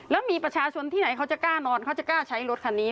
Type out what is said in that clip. แล้วมีประชาชนที่ไหนเขาจะกล้านอนเขาจะกล้าใช้รถคันนี้